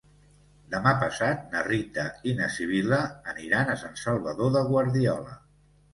Demà passat na Rita i na Sibil·la aniran a Sant Salvador de Guardiola.